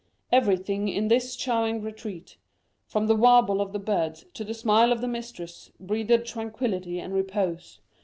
Everything in this charming retreat, from the warble of the birds to the smile of the mistress, breathed tranquillity and repose.